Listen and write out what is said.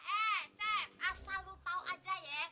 eh cek asal lo tau aja ya